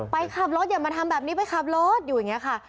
ไปขับรถอย่ามาทำแบบนี้ไปขับรถอยู่อย่างนี้ค่ะ